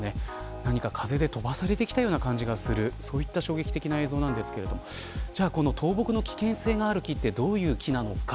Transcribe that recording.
何か風で飛ばされてきたような感じがするそういった衝撃的な映像なんですけどこの倒木の危険性がある木はどういう木なのか。